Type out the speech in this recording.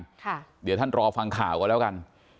ค่ะเดี๋ยวท่านรอฟังข่าวกันแล้วกัน